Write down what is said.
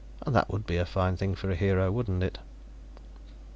And that would be a fine thing for a hero, wouldn't it?